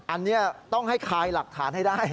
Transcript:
อันนี้ต้องให้คลายหลักฐานให้ได้